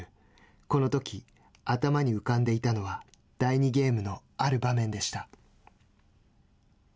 このとき、頭に浮かんでいたのは第２ゲームのある場面でした。